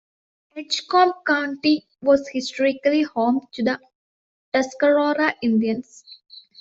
Edgecombe County was historically home to the Tuscarora Indians.